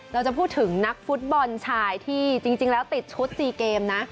เราจะพูดถึงนักฟุตบอลชายที่จริงแล้วติดชุด๔เกมนะ